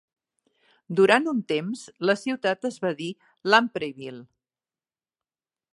Durant un temps, la ciutat es va dir "Lampreyville".